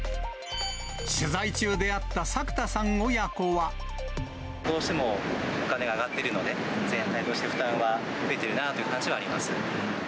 取材中、どうしてもお金が上がってるので、全体として負担は増えてるなぁという感じはあります。